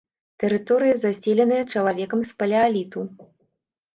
Тэрыторыя заселеная чалавекам з палеаліту.